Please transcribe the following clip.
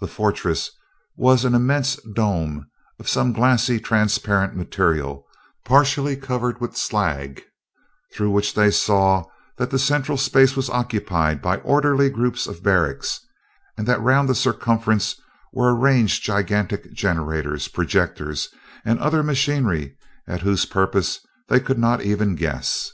The fortress was an immense dome of some glassy, transparent material, partially covered with slag, through which they saw that the central space was occupied by orderly groups of barracks, and that round the circumference were arranged gigantic generators, projectors, and other machinery at whose purposes they could not even guess.